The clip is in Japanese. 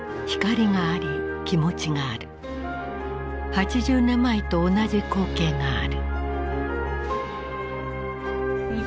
８０年前と同じ光景がある。